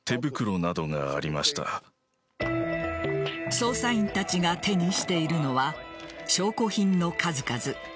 捜査員たちが手にしているのは証拠品の数々。